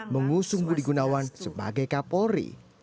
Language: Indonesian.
mengusung budi gunawan sebagai kapolri